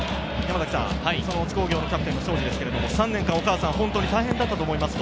その津工業キャプテン・庄司ですけれど、３年間、お母さんはホントに大変だったと思いますと。